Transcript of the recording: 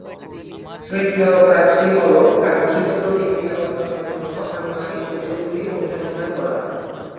তৃতীয় কাজটি হ'ল কাঙ্ক্ষিত প্রতিক্রিয়া অর্জনের জন্য আনুমানিক কৌশলগুলি অনুসন্ধান করা।